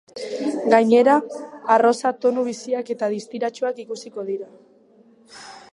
Gainera, arrosa tonu biziak eta distiratsuak ikusiko dira.